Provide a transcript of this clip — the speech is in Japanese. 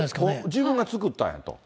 自分が作ったんやと。